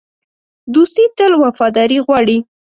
دوستي تل وفاداري غواړي.